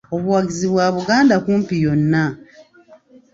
Obuwagizi bwa Buganda kumpi yonna.